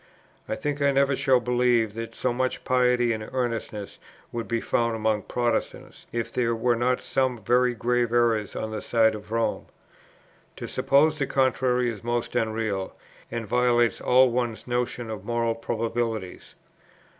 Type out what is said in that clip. I think I never shall believe that so much piety and earnestness would be found among Protestants, if there were not some very grave errors on the side of Rome. To suppose the contrary is most unreal, and violates all one's notions of moral probabilities.